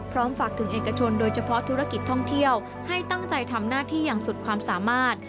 ฝากถึงเอกชนโดยเฉพาะธุรกิจท่องเที่ยวให้ตั้งใจทำหน้าที่อย่างสุดความสามารถ